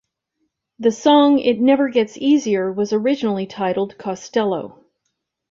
The song "It Never Gets Easier" was originally titled "Costello".